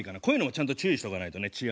こういうのもちゃんと注意しとかないとね